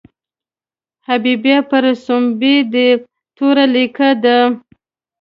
حبیبه پر سومبۍ دې توره لیکه ده.